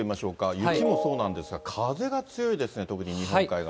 雪もそうなんですが、風が強いですね、特に日本海側。